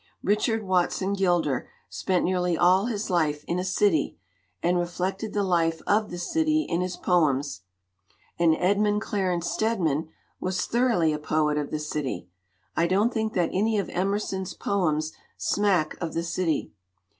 Richard Watson Gilder spent nearly all his life in a city and reflected the life of the city in his poems. And Edmund Clarence Stedman was thoroughly a poet of the city. I don't think that any of Emerson's poems smack of the city.